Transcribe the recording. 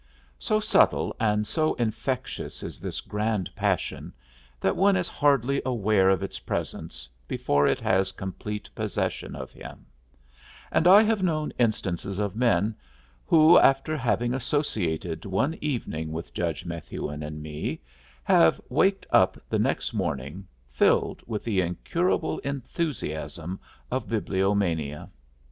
So subtile and so infectious is this grand passion that one is hardly aware of its presence before it has complete possession of him; and I have known instances of men who, after having associated one evening with Judge Methuen and me, have waked up the next morning filled with the incurable enthusiasm of bibliomania.